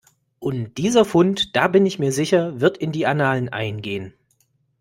Und dieser Fund, da bin ich mir sicher, wird in die Annalen eingehen.